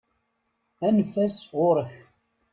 Anef-as ɣuṛ-k!